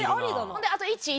ほんであと１１。